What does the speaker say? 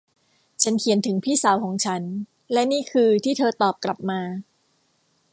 ฉันเขียนถึงพี่สาวของฉัน และนี่คือที่เธอตอบกลับมา